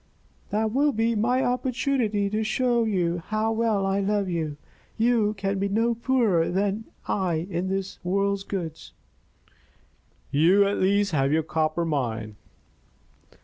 "That will be my opportunity to show how well I love you. You can be no poorer than I in this world's goods." "You at least have your copper mine."